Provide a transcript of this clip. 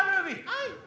はい。